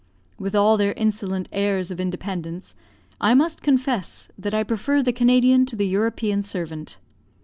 With all their insolent airs of independence, I must confess that I prefer the Canadian to the European servant.